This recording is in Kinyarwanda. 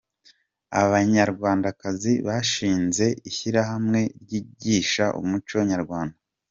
Abanyarwandakazi bashinze ishyirahamwe ryigisha umuco Nyarwannda